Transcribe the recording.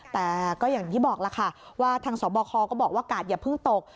แต่ก็อย่างที่บอกล่ะค่ะว่าทางสบคก็บอกว่ากาดอย่าเพิ่งตก